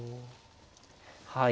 はい。